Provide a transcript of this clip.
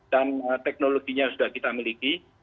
dan teknologinya sudah kita miliki